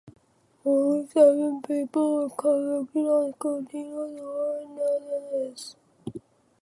Forty seven people were convicted on Scarantino's word nonetheless.